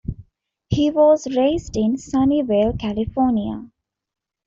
He was raised in Sunnyvale, California.